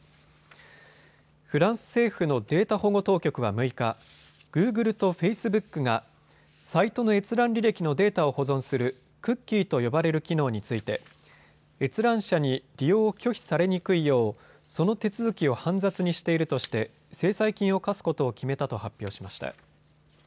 フランス政府のデータ保護当局は６日、グーグルとフェイスブックがサイトの閲覧履歴のデータを保存するクッキーと呼ばれる機能について閲覧者に利用を拒否されにくいようその手続きを煩雑にしているとして制裁金を科すことを決めたと発表しました。